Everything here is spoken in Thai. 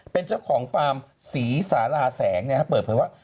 เป็นเจ้าของฟาร์มศรีสาราแสงเปิดเผยว่า